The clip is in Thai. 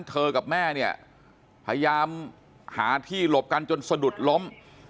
กับแม่เนี่ยพยายามหาที่หลบกันจนสะดุดล้ม